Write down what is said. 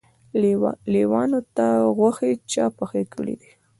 لېوانو ته غوښې چا پخې کړي دي؟